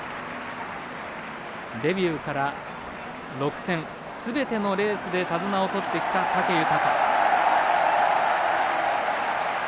デビューから６戦すべてのレースで手綱をとってきた武豊。